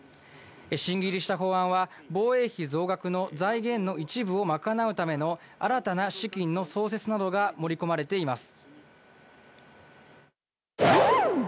審議入りした法案は、防衛費増額の財源の一部を賄うための新たな資金の創設などが盛り込まれています。